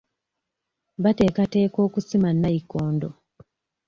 Baateekateeka okusima nnayikondo.